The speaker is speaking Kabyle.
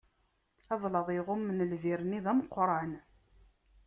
Ablaḍ iɣummen lbir-nni, d ameqran.